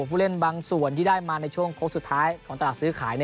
ผู้เล่นบางส่วนที่ได้มาในช่วงโค้กสุดท้ายของตลาดซื้อขาย